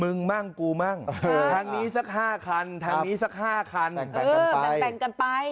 มึงมั่งกูมั่งทางนี้สักห้าคันทางนี้สักห้าคันแปลงกันไป